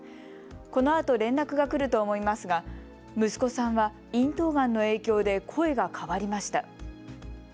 このあと連絡が来ると思いますが息子さんは咽頭がんの影響で声が変わりました。